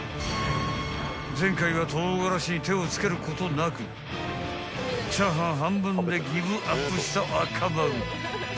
［前回は唐辛子に手をつけることなく炒飯半分でギブアップした亞かまる］